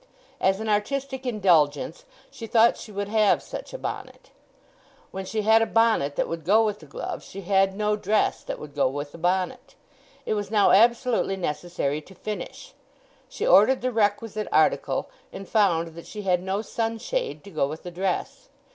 As an artistic indulgence she thought she would have such a bonnet. When she had a bonnet that would go with the gloves she had no dress that would go with the bonnet. It was now absolutely necessary to finish; she ordered the requisite article, and found that she had no sunshade to go with the dress.